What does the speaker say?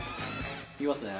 いきますね